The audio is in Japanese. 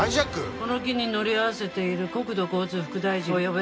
この機に乗り合わせている国土交通副大臣を呼べ。